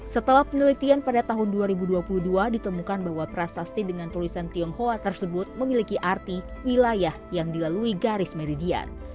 setelah penelitian pada tahun dua ribu dua puluh dua ditemukan bahwa prasasti dengan tulisan tionghoa tersebut memiliki arti wilayah yang dilalui garis meridian